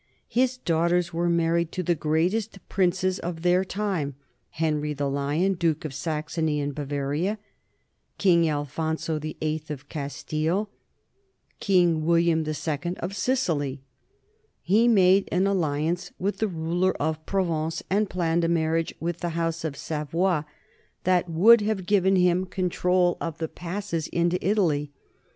His daughters were married to the greatest princes of their time, Henry the Lion, duke of Saxony and Bavaria, King Alphonso VIII of Castile, King William II of Sicily. He made an alliance with the ruler of Provence and planned a marriage with the house of Savoy that would have given him control of the passes THE NORMAN EMPIRE 91 into Italy.